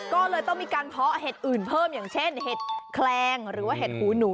ก็เลยต้องมีการเพาะเห็ดอื่นเพิ่มอย่างเช่นเห็ดแคลงหรือว่าเห็ดหูหนู